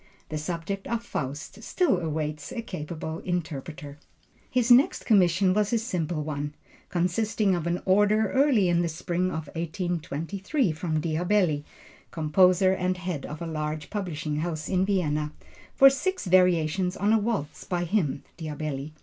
The subject of Faust still awaits a capable interpreter. His next commission was a simple one, consisting of an order early in the spring of 1823 from Diabelli, composer and head of a large publishing house in Vienna, for six variations on a waltz by him (Diabelli).